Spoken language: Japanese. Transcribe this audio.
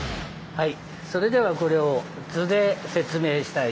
はい。